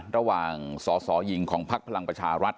ระหว่างสสหญิงของพักพลังประชารัฐ